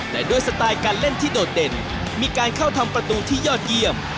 แต่ด้วยสไตล์การเล่นที่โดดเด่นมีการเข้าทำประตูที่ยอดเยี่ยม